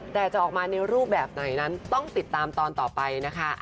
แต่จะออกมาในรูปแบบไหนนั้นต้องติดตามตอนต่อไปนะคะ